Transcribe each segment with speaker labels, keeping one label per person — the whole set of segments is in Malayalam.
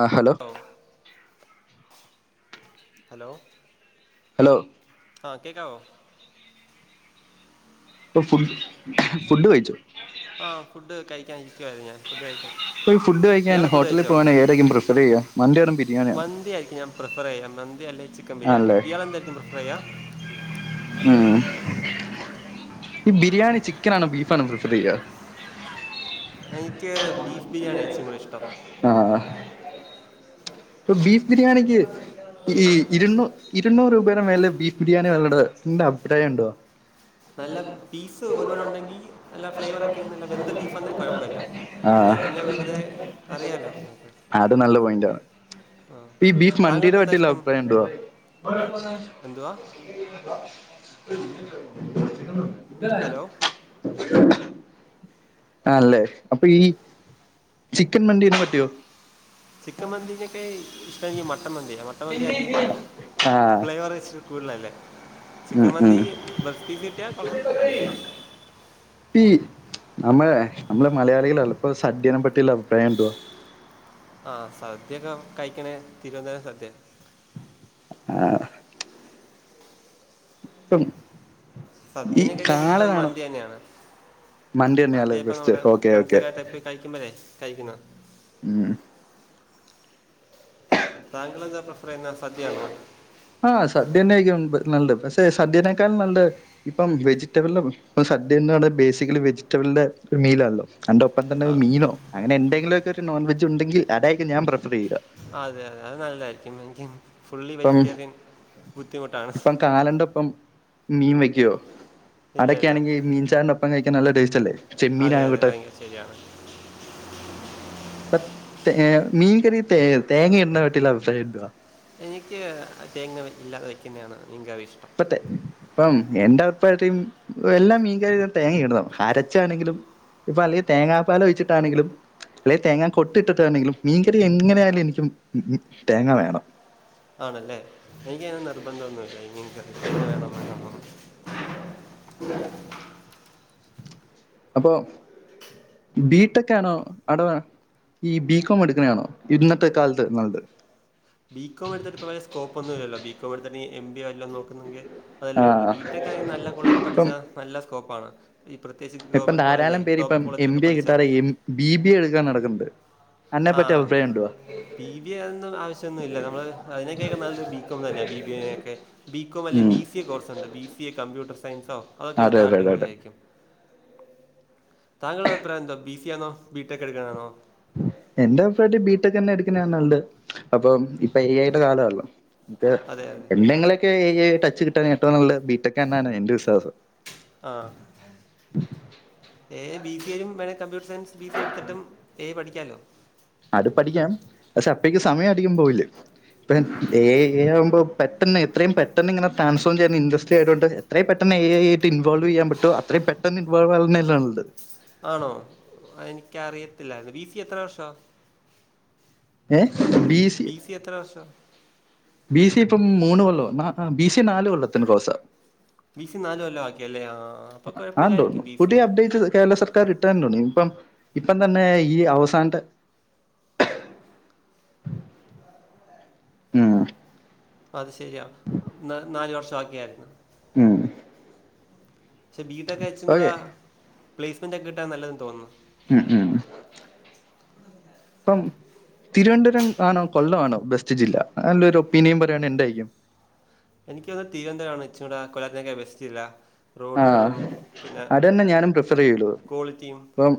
Speaker 1: ആഹ് ഹലോ
Speaker 2: ഹലോ
Speaker 1: ഹലോ
Speaker 2: ആഹ് കേക്കാവോ
Speaker 1: ഇപ്പൊ ഫു ഫുഡ് കഴിച്ചോ
Speaker 2: ആഹ് ഫുഡ് കഴിക്കാൻ ഇരിക്കുവായിരുന്നു ഞാൻ ഫുഡ് കഴിക്കാം
Speaker 1: ഇപ്പൊ ഈ ഫുഡ് കഴിക്കാൻ ഹോട്ടലിൽ പോവാൻ ഏതായും പ്രിഫർ ചെയ്യാ മന്തിയോർ ബിരിയാണിയാണോ
Speaker 2: മന്തിയായിരിക്കും ഞാൻ പ്രിഫർ യ്യാ മന്തി അല്ലേ ചിക്കൻ ബരിയാണി
Speaker 1: ആണല്ലേ
Speaker 2: ഇയാളെന്തായിരിക്കും പ്രിഫർ യ്യാ
Speaker 1: ഉം ഈ ബിരിയാണി ചിക്കനാണോ ബീഫാണോ പ്രിഫറയ്യാ
Speaker 2: എനിക്ക് ബീഫ് ബിരിയാണിയാ ഇച്ചിരി കൂടെ ഇഷ്ടം
Speaker 1: ആഹ് പ്പം ബീഫ് ബിരിയാണിക്ക് ഈ ഈ ഇരുന്നൂ ഇരുന്നൂറ് രൂപയുടെ മേലെ ബീഫ് ബിരിയാണി ഒള്ളട് നിന്റെ അഭിപ്രായം ണ്ടോ
Speaker 2: നല്ല പീസ് ഒരുപാടു ഉണ്ടെങ്കി നല്ല ഫ്ലേവറൊക്കെ നല്ല വെന്ത ബീഫാന്നേ കൊഴപ്പല്ല
Speaker 1: ആ
Speaker 2: അല്ലേ പിന്നെ വെറുതെ അറിയാലോ നമുക്ക്
Speaker 1: നല്ല പോയിന്റ് ആണ് പ്പ ഈ ബീഫ് മന്തീടെ
Speaker 2: താങ്കൾക്ക് എന്താ
Speaker 1: പറ്റിയുള്ള
Speaker 2: ഇഷ്ടം
Speaker 1: അഭിപ്രായം എന്തുവാ
Speaker 2: എന്തുവാ ഹലോ
Speaker 1: ആഹ് ല്ലേ അപ്പൊ ഈ ചിക്കൻ മന്തീനെ പറ്റിയോ
Speaker 2: ചിക്കൻ മന്തീനേക്കായി ഇഷ്ടം എനിക്ക് മട്ടൻ മന്തിയാ മട്ടൻ മന്തി ആങ്കി
Speaker 1: ആ
Speaker 2: ഫ്ലേവർ വെച്ച് കൂടുതലല്ലേ ചിക്കൻ
Speaker 1: ഉം
Speaker 2: മന്തി
Speaker 1: ഉം
Speaker 2: ബെസ്റ്റ് പീസ് കിട്ടിയാ കൊള്ളാം അല്ലേ
Speaker 1: ഈ നമ്മളെ നമ്മള് മലയാളികളിൽ ഇപ്പ സദ്യേനെ പറ്റിയുള്ള അഭിപ്രായം എന്തുവാ
Speaker 2: ആഹ് സദ്യയൊക്കെ കഴിക്ക്ണേ തിരുവനന്തപുരം സദ്യാ
Speaker 1: ആഹ് ട്ടും
Speaker 2: സദ്യേനെക്കായൊക്കെനിക്കിഷ്ടം മന്തി തന്നെയാണ്
Speaker 1: മണ്ടി തന്നെയല്ലേ
Speaker 2: മന്തിയാ ഇപ്പ
Speaker 1: ബെസ്റ്റ്
Speaker 2: നമ്മുടെ
Speaker 1: ഓക്കെ ഓക്കെ
Speaker 2: ഫ്രണ്ട്സൊക്കെ ആയിട്ട് എപ്പോയി കഴിക്കുമ്പഴേ കഴിക്കുന്ന
Speaker 1: ഉം
Speaker 2: താങ്കളെന്താ പ്രിഫർ ചെയ്യുന്നേ സദ്യയാണോ
Speaker 1: ആഹ് സദ്യന്നെ കഴിക്കണ് മുമ്പ് ന്നുണ്ട് പക്ഷെ സദ്യേനെക്കാളും നല്ലെ ഇപ്പം വെജിറ്റബളിലും ഇപ്പ സദ്യന്നെയാണ് ബേസിക്കലി വെജിറ്റബളിന്റെ ഒര് മീലാണല്ലോ അന്റൊപ്പം തന്നെ
Speaker 2: ആ ആ,
Speaker 1: മീനോ അങ്ങനെ എന്തെങ്കിലൊക്കെ ഒരു നോൺവെജ് ഉണ്ടെിൽ അതായിരിക്കും ഞാൻ പ്രിഫറ് ചെയ്യുക
Speaker 2: അതെ അതെ അത് നല്ലായിരിക്കും എനിക്ക് ഫുള്ളി
Speaker 1: ഇപ്പം
Speaker 2: വെജിറ്റേറിയൻ ബുദ്ധിമുട്ടാണ്
Speaker 1: ഇപ്പം കാലന്റെ ഒപ്പം മീൻ വെക്കുവോ
Speaker 2: ഇല്ല
Speaker 1: അതൊക്കെ
Speaker 2: ഇല്ല
Speaker 1: ആണെങ്കി മീൻ ചാറിനൊ പ്പം കഴിക്കാൻ നല്ല ടേസ്റ്റല്ലേ
Speaker 2: അതെ അതെ ഭയങ്കര ശരിയാണ്
Speaker 1: പ്പ തേ മീൻ കറി തേ തേങ്ങ ഇടുന്ന പറ്റിയുള്ള അഭിപ്രായം എന്തുവാ
Speaker 2: എനിക്ക് തേങ്ങ ഇല്ലാതെ വയ്ക്കുന്നയാണ് മീൻ കറി ഇഷ്ടം
Speaker 1: അതെ ഇപ്പം എന്റെ അഭിപ്രായത്തിം എല്ലാ മീൻകറിയിലും തേങ്ങയിടണം അരച്ചാണെങ്കിലും ഇപ്പ അല്ലങ്കി തേങ്ങാപ്പാലൊഴിച്ചിട്ടാണെങ്കിലും അല്ലെ തേങ്ങാ കൊട്ടിട്ടാണെങ്കിലും മീൻകറി എങ്ങനെയായാലും എനിക്കും ഉം ഉം തേങ്ങ വേണം
Speaker 2: ആണ്ല്ലേ എനിക്കങ്ങനെ നിർബന്ധം ഒന്നുല്ല ഇനി എനിക്കതിട്ടന്നെ വേണോന്നൊന്നും
Speaker 1: [inaudible] അപ്പൊ ബീട്ടക്കാണോ അടോ ഈ ബി കോം എടുക്ക് ണെയാണോ ഇന്നത്തെ കാലത്ത് നല്ലത്
Speaker 2: ബി കോം എടുത്തിട്ട് ഇപ്പ പഴേ സ്കോപ്പൊന്നു ഇല്ലല്ലോ ബി കോം എടുത്തിട്ട് എം ബി എ വല്ലോ നോക്കുന്നെങ്കി
Speaker 1: ആ
Speaker 2: അതല്ലേ ഉള്ളൂ ബിടെക്ക് ആണെങ്കി നല്ല കോളേജി
Speaker 1: ഇപ്പം
Speaker 2: പഠിച്ചാ നല്ല സ്കോപ്പാണ് ഈ പ്രത്യേകിച്ച്
Speaker 1: ഇപ്പം
Speaker 2: ഗവൺമെന്റ് കോളേജേ
Speaker 1: ധാരാളം പേര്
Speaker 2: ടോപ്പ്
Speaker 1: ഇപ്പം എം
Speaker 2: കോളേജിലൊക്കെ
Speaker 1: ബി എ
Speaker 2: പഠിച്ചാ
Speaker 1: കിട്ടാതെ എം ബി ബി എ എടുക്കാൻ നടക്കുന്നുണ്ട് അതിനെ പറ്റി
Speaker 2: ആഹ്
Speaker 1: അഭിപ്രായം എന്തുവാ
Speaker 2: പി വി എ ഒന്നും ആവശ്യം ഒന്നുല്ല നമ്മള് അതിനേക്കായൊക്കെ നല്ലത് ബി കോം തന്നെയാ ബി ബി എയൊക്കെ ബി കോം അല്ലെ
Speaker 1: ഉം
Speaker 2: ബീസ് സി കോഴ്സ് ഒണ്ട് ബി സി എ കമ്പ്യൂട്ടർ സയൻസോ അതൊക്കെ
Speaker 1: അതെ
Speaker 2: എടുത്താ
Speaker 1: അതെ അതെ അതെ
Speaker 2: അടിപൊളിയായിരിക്കും താങ്കളുടെ അഭിപ്രായം എന്താ ബി സി ആണോ ബിടെക് എടുക്കണാണോ
Speaker 1: എന്റെ അഭിപ്രായത്തി ബിടെക് തന്നെ എടുക്കണയാ നല്ലേ അപ്പൊ ഇപ്പം എ ഐ യുടെ കാലല്ലോ മറ്റേ
Speaker 2: അതെ അതെ
Speaker 1: എന്തെങ്കിലൊക്കെ ഈ ടച്ച് കിട്ടണെ ഏറ്റവും നല്ലത് ബിടെക് തന്നാണ് എന്റെ വിശ്വാസം
Speaker 2: ആഹ് എ ഐ ബി സ യും വേണേ കമ്പ്യൂട്ടർ സയൻസ് ബി സി എട്ത്തിട്ടും ഏ പഠിക്കാലോ
Speaker 1: അത്പഠിക്കാം പക്ഷെ അപ്പഴേക്ക് സമയതികം പോവില്ലേ പിന്നെ ഏ ഐ ആവുമ്പോ പെട്ടന്നെത്രേം പെട്ടെന്ന് ങ്ങനെ ട്രൻഫോം ചെയ്യുന്ന ഇൻഡസ്ട്രി ആയതൊണ്ട് ത്രയും പെട്ടെന്ന് ഏ ഐ ആയിട്ട് ഇൻവോൾവെയ്യാൻ പറ്റോ അത്രേം പെട്ടെന്ന് ഇൻവോൾവാവുന്നല്ലേ നല്ലത്
Speaker 2: ആണോ എനിക്കറിയത്തില്ലാര്ന്ന് ബിസി എത്ര വർഷാ
Speaker 1: ഏഹ് ബിസിയോ
Speaker 2: യെത്രവർഷാ
Speaker 1: ബിസി ഇപ്പം മൂന്ന് കൊല്ലവൊ ന്നാ ആഹ് ബി സി നാല് കൊല്ലത്തിന് കോസാ
Speaker 2: ബി സി നാല് കൊല്ലം ആക്കിയല്ലേ ആ അപ്പൊ കുഴപ്പമില്ലായിരിക്കും
Speaker 1: ആണ്ടോന്ന്
Speaker 2: ബി സിയും
Speaker 1: പുതിയ അപ്ഡേറ്റ് കേരള സർ റിട്ടേണ്ണു ഇപ്പം ഇപ്പം തന്നെ ഈ അവസാനത്തെ ഉം
Speaker 2: അത് ശരിയാ നാ നാല് വർഷാക്കിയായിര്ന്ന്
Speaker 1: ഉം
Speaker 2: ക്ഷേ ബി ടെക്ക് ച്ചും കൂട
Speaker 1: ഓക്കെ
Speaker 2: പ്ലേസ്മെന്റൊക്കിട്ടാൻ നല്ലതെന്ന് തോന്നുന്നു
Speaker 1: ഉം ഉം പ്പം തിരുവനന്തപുരം ആണോ കൊല്ലം ആണോ ബെസ്റ്റ് ജില്ല നല്ലൊരു ഒപ്പീനിയൻ പറയുവാണങ്കിൽ എന്തായിര്ക്കും
Speaker 2: എനക്കൊന്ന് തീരുനന്തരംമാണ് ഇച്ചൂടെ കൊല്ലത്തേക്കാ ബസ്റ്റല്ലെ
Speaker 1: ആ
Speaker 2: റോഡ്കളും പിന്നെ
Speaker 1: അതന്നെ ഞാനും പ്രിഫർ ചെയ്യുള്ളൂ
Speaker 2: ക്വാളിറ്റിയും
Speaker 1: ഇപ്പം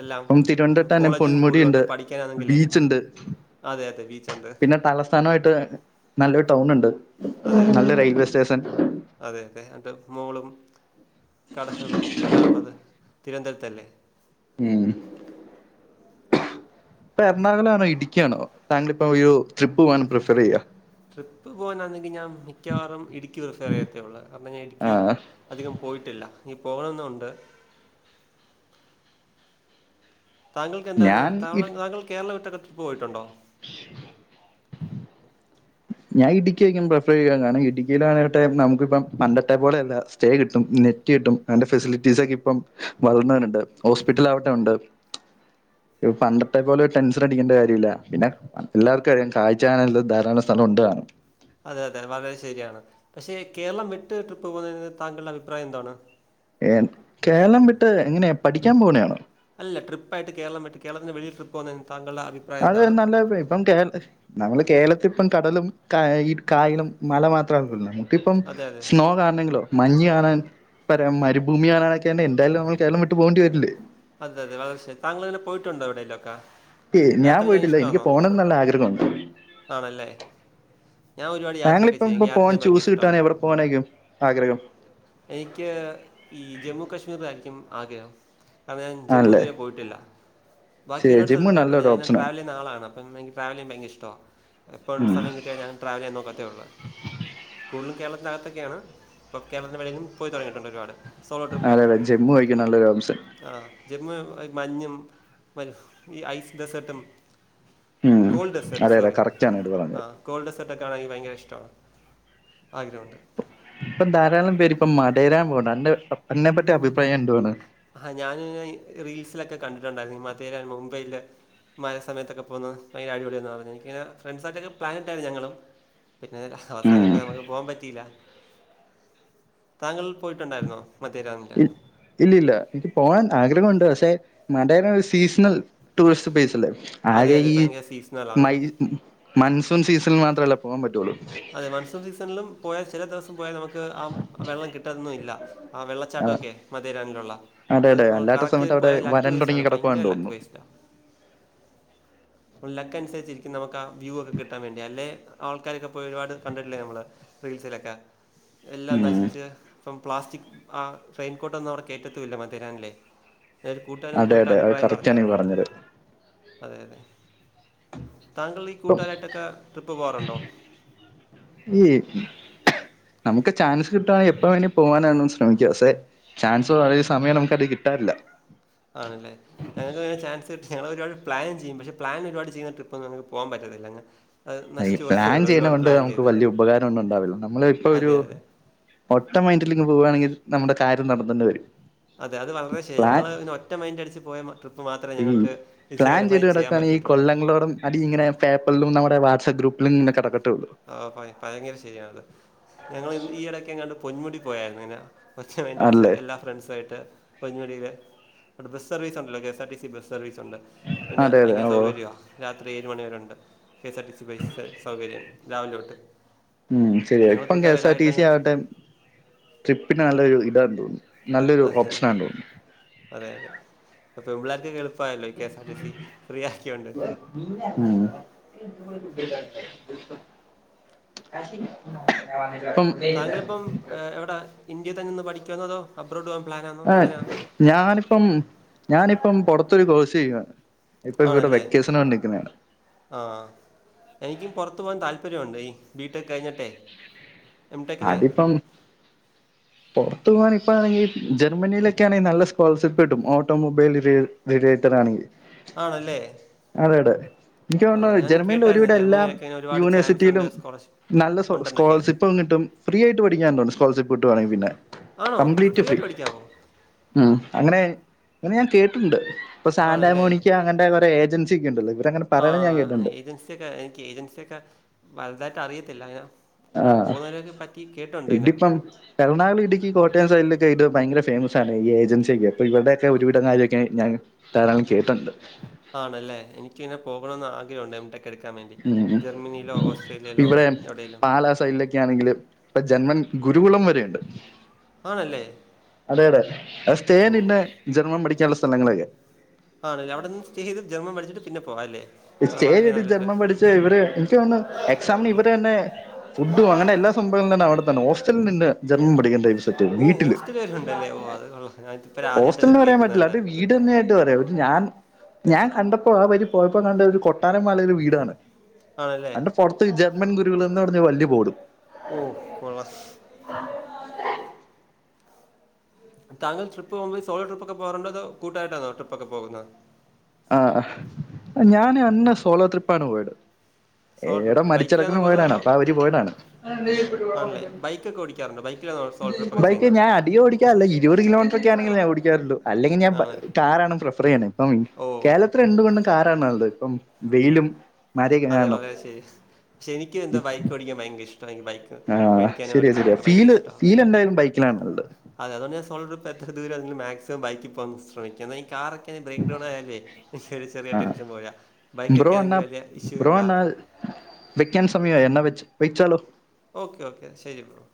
Speaker 2: എല്ലാം
Speaker 1: ഇപ്പം തിരുവനന്തപുരത്ത് തന്നെ
Speaker 2: കോളേജ്കളും
Speaker 1: പൊന്മുടി
Speaker 2: കൂടുതലുണ്ട്
Speaker 1: ഉണ്ട്
Speaker 2: പഠിക്കാനാണെങ്കിലേ
Speaker 1: ബീച്ച് ഉണ്ട്
Speaker 2: അതെയതെ ബീച്ചൊണ്ട്
Speaker 1: നായിട്ട് നല്ലൊരു ടൗണുണ്ട് നല്ല റെയിൽവേ സ്റ്റേഷൻ
Speaker 2: അതെയതെയതെ മോളും കടകളും എല്ലാമുള്ളത് തിരുവന്തര്ത്തല്ലേ
Speaker 1: ഉം ഉം പ്പെർണാകുളാണെട്ക്കി ആണോ താങ്കളിപ്പോ ഒരു ട്രിപ്പ് പോകാൻ പ്രിഫറിയ്യ
Speaker 2: ട്രിപ്പ് പോകാനാണെങ്കിൽ ഞാൻ മിക്കവാറും ഇടുക്കി പ്രിഫറിയ്യത്തേയുള്ളൂ കാര്ണം ഞ്ഞാ ഇടുക്കി
Speaker 1: ആ
Speaker 2: അധികം പോയിട്ടില്ല നി പോകണംന്നുണ്ട് താങ്കൾക്ക്ന്തായിര്ന്ന്
Speaker 1: ഞാൻ ഇ-
Speaker 2: താങ്ക താങ്കൾ കേരള വിട്ടൊക്കെ ട്രിപ്പ് പോയിട്ടുണ്ടോ
Speaker 1: ഞാൻ ഇടുക്കി ആയിര്ക്കും പ്രിഫറെയ്യാൻ കാരണം ഇടുക്കിയില് നമുക്കിപ്പം പണ്ടത്തെ പോലെയല്ല സ്റ്റേ കിട്ടും നെ റ്റ് കിട്ടും നല്ല ഫെസിലിറ്റീസൊക്കെ ഇപ്പം വളർന്നവരുണ്ട് ഹോസ്പിറ്റലാവട്ടെ ഉണ്ട് ഇപ് പണ്ടത്തെ പോലെ ടെൻഷനടിക്കണ്ട കാര്യമില്ല പിന്നെ ല്ലാര്ക്കും അറിയാം കാഴ്ചാനില്ല ധാരാളം സ്ഥലം ഉണ്ട് താനും
Speaker 2: അതെയതെ വളരെ ശരിയാണ് പക്ഷേ കേരളം വിട്ട് ട്രിപ്പ് പോകുന്നതിന് താങ്കൾടഭിപ്രായം എന്താണ്
Speaker 1: ഏഹ് കേരളം വിട്ട് എങ്ങനെയാ പഠിക്കാൻ പോണെയാണോ
Speaker 2: അല്ല ട്രിപ്പായിട്ട് കേരളം വിട്ട് കേളത്തിന്റെ വെളിയിൽ ട്രിപ്പ് പോന്നതി താങ്കളുടെ അ
Speaker 1: അത് നല്ല ഇപ്പം കേ നമ്മള് കേരളത്തിപ്പം കടലും കാ ഈ കായലും മല മാത്രമ ഇപ്പം
Speaker 2: അതെ അതെ
Speaker 1: സ്നോണണെങ്കിലോ മഞ് കാണാൻ പ മരുഭൂമി കാണാനൊക്കെന്തായാലും നമ്മൾ കേരളം വിട്ട് പോകേണ്ടി വരില്ലേ
Speaker 2: അതെന്ത വളരെ ശരി താങ്കളിങ്ങനെ പോയിട്ടുണ്ടോ എവിടേലൊക്കെ
Speaker 1: ഞാൻ പോയിട്ടില്ല എനിക്ക്
Speaker 2: യാത്രെയ്യാനിഷ്ട്ടാന്നൊ
Speaker 1: പോണം എന്നുള്ള ആഗ്രഹമുണ്ട്
Speaker 2: ആണല്ലേ ഞാ ഒരുപാട് യാത്രൊക്കെ
Speaker 1: താങ്കളിപ്പം
Speaker 2: ചെയ്യും
Speaker 1: ഇപ്പൊ
Speaker 2: എക്ക
Speaker 1: പോകാൻ
Speaker 2: യാത്രേം
Speaker 1: ചൂസ്
Speaker 2: ഭയങ്കരഷ്ടാണ്
Speaker 1: കിട്ടുവാണെങ്കിൽ എവിടെ പോകാനായിരിക്കും ആഗ്രഹം
Speaker 2: എനിക്ക് ഈ ജമ്മു കാശ്മീറായിര്ക്കും ആഗ്രഹം അതെ ഞൻ
Speaker 1: ആണല്ലേ
Speaker 2: ജമ്മുത്വരെ പോയിട്ടില്ല ബാക്കി
Speaker 1: ശരി
Speaker 2: ഒരുപാട്
Speaker 1: ജിമ്മ്
Speaker 2: സ്ഥലത്ത് പോയിട്ടുണ്ട്
Speaker 1: നല്ലൊരു
Speaker 2: ഞാനിങ്ങനെ
Speaker 1: ഓപ്ഷനാണ്
Speaker 2: ട്രാവലിയ്യ്ണാളാണ് പ്പം എനിക്ക് ട്രാവലിയ്യാൻ ഭയങ്കരിഷ്ട്ടവാ പ്പം
Speaker 1: ഉം.
Speaker 2: സമയം കിട്ടിയാ ഞൻ ട്രാവലിയ്യാൻ നോക്കത്തേള്ളൂ ഫുള്ളും കേര്ളത്തിനകത്തൊക്കെയാണ് ഇപ്പ കേര്ളത്തിന്റെ വെളിയിലും പോയി തൊടങ്ങയിട്ടുണ്ടൊരുപാട്
Speaker 1: അതെയതെ ജമ്മു ആയിരിക്കും നല്ലൊരോപ്ഷൺ
Speaker 2: ആഹ് ജെമ്മു ഈ മഞ്ഞും ഈ ഐസ് ഡെസേർട്ടും
Speaker 1: ഉം.
Speaker 2: കോൾഡെസർട്ട്
Speaker 1: അതെ അതെ
Speaker 2: സോറി
Speaker 1: കറക്റ്റ് ആണ് ഇത് പറഞ്ഞത്
Speaker 2: ആഹ് കോൾഡെസേർട്ടൊക്കാണാ എനിക്ക് ഭയങ്കരഷ്ടവാ ആഗ്രഹുണ്ട്
Speaker 1: ഇപ്പൊ ധാരാളം പേര്പ്പ മടരാൻ പോണംന്റെ എന്നെ പറ്റി അഭിപ്രായം എന്താണ്
Speaker 2: ആഹ് ഞാൻ റീൽസിലൊക്കെ കണ്ടിട്ടുണ്ടായിരുന്നു മധേരൻ മുംബൈയില് മര സമയത്തൊക്കെ പോക ഭയര അടിപൊളിയ എ പറഞ്ഞു എനിക്ക് ഫ്രണ്ട്സായിട്ടൊെ പ്ലാനട്ടായിരുന്നു ഞങ്ങളും പിന്നെ അവസാന
Speaker 1: ഉം.
Speaker 2: ഇപ്പ നമുക്ക് പോവാൻ പറ്റിയില്ല താങ്കൾ പോയിട്ടുണ്ടായിരുന്നോ മദേരന്നു
Speaker 1: എ [unintelligible] ഇല്ലില്ല എനിക്ക് പോകാൻ ആഗ്രഹമുണ്ട് പക്ഷേ മടയന ഒരു സീസണൽ ടൂറിസ്റ്റ് പ്ലേസ് അല്ലേ.
Speaker 2: അതെ
Speaker 1: ആകെ
Speaker 2: അതെ
Speaker 1: ഈ
Speaker 2: ഭയങ്കര സീസണലാണ്
Speaker 1: മയ് മൺസൂൺ സീസണ്ൽ മാത്രമല്ലേ പോകാൻ പറ്റൊള്ളൂ.
Speaker 2: അതെ മൺസൂൺ സീസണിലും പോയ ചില ദിവസ് സം പോയ നമുക്ക് ആ വെള്ളം കിട്ടൊന്നും ഇല്ല. ആ വെള്ളച്ചാട്ട ഒക്കെ മധേരാനിലുള്ള.
Speaker 1: അതെ
Speaker 2: അതായത്
Speaker 1: അതെ
Speaker 2: നമ്മൾ
Speaker 1: അല്ലാത്ത
Speaker 2: കറക്റ്റ്
Speaker 1: സമയത്ത് അവിടെ
Speaker 2: പോയാല് ലക്ക് വേസ്റ്റ്
Speaker 1: വരണ്ടുണങ്ങി
Speaker 2: ആണ്
Speaker 1: കിടക്കുവാന്ന്
Speaker 2: ഭയങ്കര ലക്ക്
Speaker 1: തോന്നുന്നു
Speaker 2: വേസ്റ്റാ. നമ്ടെ ലക്ക് അനുസരിച്ചിരിക്കും നമുക്കാ വ്യൂ ഒക്കെ കിട്ടാൻ വേണ്ടി. അല്ലെ ആൾക്കാരൊക്കെ ഇപ്പോയൊരുപാട് കണ്ടിട്ടില്ലേ നമ്മള് റീൽസിലൊക്കെ എല്ലാം
Speaker 1: ഉം
Speaker 2: നശിച്ച് ഇപ്പം പ്ലാസ്റ്റിക് ആ റെയിൻകോട്ടൊന്നും അവിടെ കേറ്റെത്തുമില്ല ആ മദിരാൻല്ലേ. ഞാനൊരു കൂട്ടാരൻ
Speaker 1: അതെ
Speaker 2: പോയിട്ട്
Speaker 1: അതെ അത്
Speaker 2: അഭിപ്രായം
Speaker 1: കറക്റ്റ് ആണ് ഈ
Speaker 2: പറഞ്ഞായിരുന്ന്.
Speaker 1: പറഞ്ഞത്
Speaker 2: അതെ അതെ. താങ്കൾ ഈ
Speaker 1: ഇപ്പം
Speaker 2: കൂട്ടാരായിട്ടൊക്കെ ട്രിപ്പ് പോവാറുണ്ടോ?
Speaker 1: യേ. നമുക്ക് ചാൻസ് കിട്ടുവാണെങ്കി എപ്പ വേണേം പോവാനാണെന്ന് ശ്രമിക്കാം. സെ ചാൻസ് വളരെ [unintelligible] സമയം നമുക്ക് അത് കിട്ടാറില്ല.
Speaker 2: ആണ് ലേ. ഞങ്ങക്കങ്ങനെ ചാൻസ് കിട്ടി ഞങ്ങളൊരുപാട് പ്ലാൻ ചെയ്യും പക്ഷെ പ്ലാൻ ഒരുപാട് ചെയ്യുന്ന ട്രിപ്പൊന്നും ഞങ്ങക്ക് പോവാൻ പറ്റത്തില്ലങ്ങ്.
Speaker 1: ണ്ണ ഈ പ്ലാൻ ചെയ്യ്ണ കൊണ്ട് നമുക്ക് വലിയ ഉപകാരം ഒന്നും ഉണ്ടാവില്ല. നമ്മള് ഇപ്പൊ ഒരു
Speaker 2: അതെ അതെ
Speaker 1: ഒട്ട മൈന്ഡിലിങ് പോവാണെങ്കിൽ നമ്മുടെ കാര്യം നടന്നെന്ന് വരും.
Speaker 2: അതെ അത് വളരെ ശരി.
Speaker 1: പ്ലാൻ
Speaker 2: ഞങ്ങള് ഇങ്ങനെ ഒറ്റ മൈൻഡടിച്ച് പോയ ട്രിപ്പ് മാത്രേ
Speaker 1: ഈ
Speaker 2: ഞങ്ങക്ക് വിജയകരമായി ചെയ്യാൻ പറ്റിയിട്ടുള്ളത്.
Speaker 1: അട് ഇങ്ങനെ പേപ്പൾലും നമ്മടെ വാട്സപ്പ് ഗ്രൂപ്പിലും ഇങ്ങനെ കെടക്കട്ടുള്ളൂ.
Speaker 2: ഓഹ് ഹോയ് ഭയങ്കര ശരിയാണത്. ഞങ്ങളി ഈ എടയ്ക്കെങ്ങാണ്ട് പൊന്മുടി പോയായിരുന്നു. ഇന ഒച്ച മൈൻഡടിച്ച്
Speaker 1: അല്ലേ
Speaker 2: എല്ലാ ഫ്രണ്ട്സു ആയിട്ട് പൊന്മുടിയിലെ. അവിടെ ബസ് സർവീസ്ണ്ടല്ലോ K S R T C bus സർവീസുണ്ട് പിന്നെ
Speaker 1: അതെ അതെ
Speaker 2: ഭയങ്കര
Speaker 1: ഓ
Speaker 2: സൗകര്യവാ. രാത്രി ഏഴ് മണിവരെ ഉണ്ട്. K S R T C bus സൗകര്യം രാവിലെ തൊട്ട്.
Speaker 1: ഉം ശരിയാ.
Speaker 2: ഞങ്ങൾ
Speaker 1: ഇപ്പം K S R T C
Speaker 2: കൂട്ടുകാരെല്ലാമായിട്ടങ്ങ്
Speaker 1: ആവട്ടെ ട്രിപ്പിന് നല്ലൊരു ഇതാണെന്ന് തോന്നുന്നു. നല്ലൊരു
Speaker 2: അതെ അതെ.
Speaker 1: ഓപ്ഷനാണ്ടോന്നുന്നു.
Speaker 2: അതെ അതെ. ഇപ്പം പെമ്പിള്ളാര്ക്കൊക്കെ എളുപ്പായല്ലോ ഈ K S R T C free ആക്ക്യോണ്ട്.
Speaker 1: ഉം. പ്പം
Speaker 2: താങ്കളിപ്പം എവിടെ ഇന്ത്യെ തന്ന് ന്ന് പഠിക്ക്യുവാന്നോ അതോ അബ്രോഡ് പോവാൻ പ്ലാനാന്നോ.
Speaker 1: ആഹ്
Speaker 2: എങ്ങനാ?
Speaker 1: ഞാനിപ്പം ഞാനിപ്പം പൊറത്തൊരു കോഴ്സ് ചെയ്യുവാ. ഇപ്പൊ ഇവിടെ വെക്കേസന് വേണ്ടി നിക്കുന്നെയാണ്.
Speaker 2: ആഹ് എനിക്കും പൊറത്ത് പോവാൻ താല്പര്യമുണ്ട്. ഈ ബി ടെക്ക് കഴിഞ്ഞിട്ടേ.
Speaker 1: അടിപ്പം പോറത്തു പോവാൻ ഇപ്പഴാണെങ്കി ജർമ്മനിയിലൊക്കെ ആണേൽ നല്ല സ്കോളർഷിപ്പ് കിട്ടും. ഓട്ടോമുബൈൽ [unintelligible] റേഡിയേറ്ററാണെങ്കി.
Speaker 2: ആണല്ലേ.
Speaker 1: അതെടെ. എനിക്ക്
Speaker 2: ആ
Speaker 1: തോന്നുണു
Speaker 2: ഞാൻ
Speaker 1: ജർമനിയിൽ
Speaker 2: കേട്ടായിരുന്നു
Speaker 1: ഒരുവിട എല്ലാം
Speaker 2: ജർമ്മനിയിലൊക്കെ ഇങ്ങനെ ഒരുപാട് ചാൻസ് ഉണ്ട്
Speaker 1: യൂണിവേഴ്സിറ്റിയിലും
Speaker 2: സ്കോളർഷിപ്പ്
Speaker 1: നല്ല സൊ
Speaker 2: ഉണ്ടെന്നൊക്കെ
Speaker 1: സ്കോളർഷിപ്പും കിട്ടും ഫ്രീ ആയിട്ട് പഠിക്കാൻണ്ട് തോൺണ് സ്കോളർഷിപ്പ് കിട്ടുവാണെങ്കി പിന്നെ.
Speaker 2: ആണോ
Speaker 1: കംപ്ലീറ്റ് ഫ്രീ.
Speaker 2: ആയിട്ട് പഠിക്കാവോ
Speaker 1: ഉം അങ്ങനെ അങ്ങനെ ഞാൻ കേട്ട്ണ്ട്. ഇപ്പ സാൻ്റാ
Speaker 2: ആണല്ലേ
Speaker 1: മോണിക്ക്യോ അങ്ങണ്ടെ കൊറെ ഏജൻസ്യൊക്കെണ്ടല്ലോ ഇവരങ്ങനെ പറയണ ഞാൻ കേട്ട്ണ്ട്.
Speaker 2: ത്തെക്കെ എനിക്ക് ഏജൻസിയൊക്കെ വലുതായിട്ട് അറിയത്തില്ല ഞാൻ ഓരോട്
Speaker 1: ആഹ്
Speaker 2: പോകുന്നവരെയൊക്കെ പറ്റി കേട്ടുണ്ട് ഇന.
Speaker 1: ഇതിപ്പം എറണാകുളം ഇടുക്കി കോട്ടയം സൈഡിലൊക്കെ ഇത് ഭയങ്കര ഫേമസ്സാണ്. ഈ ഏജൻസിയൊക്കെ. അപ്പിവര്ടെ ഒക്കെ ഒരുവിടം കാര്യമൊക്കെ ഞാൻ ധാരാളം കേട്ട്ണ്ട്.
Speaker 2: ആണല്ലേ എനിക്കിങ്ങനെ പോകണമന്ന് ആഗ്രഹം ഉണ്ട് എം ഡെ ക്ക് എടുക്കാൻ വേണ്ടി
Speaker 1: ഉം
Speaker 2: ജർമ്മനിയിലോ ഓസ്ട്രേലിയയിലോ എവിടെലും
Speaker 1: ഇങ്ങളാ [unintelligible] ണെങ്കിൽ ഇപ്പ ജന്മൻ ഗുരുകുളം വരെയുണ്ട്
Speaker 2: ആണ് അല്ലേ
Speaker 1: അതെയ അതെ സ്റ്റേൻന്നെ ജന്മം പഠിക്കാനുള്ള സ്ഥലങ്ങളൊക്കെ
Speaker 2: ആണല്ല അവിടെന്ന് സ്റ്റേ ചെയ്ത് ജൻമം. പടിച്ച്ട്ട് പിന്നെ പോവാ അല്ലേ അത്
Speaker 1: സ്റ്റേജ്
Speaker 2: വളരെ
Speaker 1: എടുത്ത്
Speaker 2: നല്ലൊരു
Speaker 1: ജർമ്മം പഠിച്ച ഇവര് എനിക്ക് തോന്നുന്നു എക്സാമന് ഇവരെ തന്നെ ഫുഡും അങ്ങന എല്ല സംഭവങ്ങളണ്ട് അവിടെന്ന ഹോസ്റ്റലിൽ നിന്ന് ജർമ്മം പഠിക്കേണ്ട
Speaker 2: ഓഹ്!
Speaker 1: വീട്ടില്
Speaker 2: ഹോസ്റ്റല് വരെ ഉണ്ടല്ലേ? ഓഹ്! അത് കൊള്ളാം. ഞാനിതിപ്പഴാ ആദ്യായിട്ടാ
Speaker 1: ഹോസ്റ്റലന്ന്
Speaker 2: ഇതൊക്കെ
Speaker 1: പറയാൻ
Speaker 2: കേൾക്കുന്നത്
Speaker 1: പറ്റില്ല
Speaker 2: തന്നെ.
Speaker 1: അത് വി വീട് തന്നൊയിട്ട് പറയാ ഒരു ഞാൻ ഞാൻ കണ്ടപ്പോ ആ വരി പോയപ്പോ കണ്ട ഒരു കൊട്ടാരമാല ഒരു വീടാണ്
Speaker 2: ആണല്ലേ
Speaker 1: അതിന്റെ പുറത്ത് ജർമ്മൻ ഗുരുകൾ എന്ന് പറഞ്ഞാ വലിയ ബോഡും
Speaker 2: ഓഹ് കൊളസ് താങ്കൾ ട്രി് പ്പ് പോക്പോൾ [unintelligible] ട്രപ്പ്ക്കെ പോകറുണ്ടോ കൂട്ടായിട്ടാോ ട്രപ്പക്കെകുന്നത്
Speaker 1: ആന് ഞാന് അന്ന് സോളോ ട്രിപ്പാണ് പോയത്
Speaker 2: സോളോ
Speaker 1: എടാ
Speaker 2: ട്രിപ്പല്ലേ?
Speaker 1: മരിച്ചി
Speaker 2: ബൈക്കിലാണോ
Speaker 1: കടക്കും
Speaker 2: പോകുന്നത്?
Speaker 1: പോയടാണ്
Speaker 2: അതോ
Speaker 1: അപ്പൊ അവര് പോയതാണ്
Speaker 2: ആണല്ലേ? ബൈക്കൊക്കെ ഓടിക്കാറുണ്ടോ? ബൈക്കിലാണോ സോളോ ട്രിപ്പൊക്കെ
Speaker 1: ബൈക്ക്
Speaker 2: ചെയ്യുന്നത്?
Speaker 1: ഞാൻ അതികം ഓടിക്കാറില്ല ഇരുപത് കിലോമീറ്ററ ഒക്കെ ആണങ്കിൽ ഞാൻ ഓടിക്കാറുള്ള അല്ലെങ്ക ഞൻ
Speaker 2: ആണല്ലേ?
Speaker 1: കാറാണ് പ്രിഫർ ചെയ്യണേ അപ്പം
Speaker 2: ഓഹ്!
Speaker 1: കേരളത്തി എന്ത് കെണ്ടും കാറാണ് നല്ലത് ഇപ്പം വെയിലും മഴയൊക്കെ
Speaker 2: അതെ
Speaker 1: കാരണം
Speaker 2: വളരെ ശരി പക്ഷെ എനിക്ക് എന്താ ബൈക്ക് ഓടിക്കാൻ ഭയങ്കര ഇഷ്ട എനിക്ക് ബൈക്ക്
Speaker 1: ആഹ്
Speaker 2: മേടിക്കാനോ
Speaker 1: ശരിയാ ശരിയാ
Speaker 2: പഠിക്കാനക്കെ ഭയങ്കര
Speaker 1: ഫീല്
Speaker 2: ഇഷ്ടാ
Speaker 1: ഫീൽ എന്തായാലും ബൈക്കിലാണ് നല്ലത്
Speaker 2: അതെതുകൊണ് ഞാൻ സോളർ്രിപ്പ എത്ര ദൂര മാസിമം ബൈക്കിൽ പോകാൻ ശ്രമിക്കുന്നെ ഈ കാർ ഒക്കെ ഇനി ബ്രേക്ക് ഡൗൺ ആയാലേ എനിക്കൊരു ചെറിയ
Speaker 1: ആഹ്
Speaker 2: ടെൻഷൻ പോല
Speaker 1: ബ്രോ എന്നാ
Speaker 2: ബൈക്കക്കൊണെങ്കിൽ വലിയ ഇഷ്യൂ
Speaker 1: ബ്രോ
Speaker 2: ഇല്ല.
Speaker 1: എന്നാൽ വെക്കാൻ സമയം എന്ന വെ വെച്ചാലോ
Speaker 2: ഓക്കെ ഓക്കെ ശരി ബ്രോ